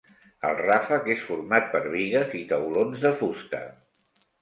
El ràfec és format per bigues i taulons de fusta.